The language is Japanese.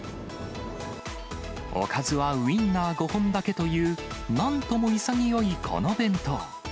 おかずはウインナー５本だけという、なんとも潔いこの弁当。